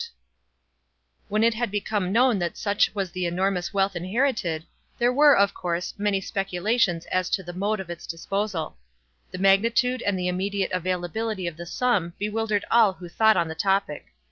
(*1) When it had become known that such was the enormous wealth inherited, there were, of course, many speculations as to the mode of its disposal. The magnitude and the immediate availability of the sum bewildered all who thought on the topic.